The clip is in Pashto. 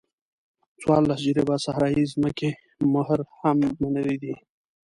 څوارلس جریبه صحرایي ځمکې مهر هم منلی دی.